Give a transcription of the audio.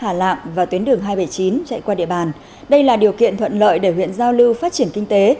huyện tri lăng có tuyến đường hai trăm bảy mươi chín chạy qua địa bàn đây là điều kiện thuận lợi để huyện giao lưu phát triển kinh tế